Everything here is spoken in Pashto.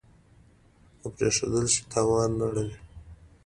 که پرېښودل شي تاوانونه اړوي.